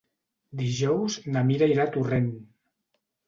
Dijous na Mira irà a Torrent.